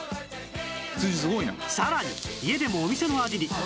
更に家でもお店の味に